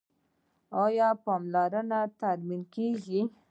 آیا پلونه ترمیم کیږي؟